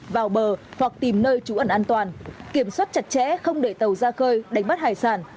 vào bờ hoặc tìm nơi trú ẩn an toàn kiểm soát chặt chẽ không để tàu ra khơi đánh bắt hải sản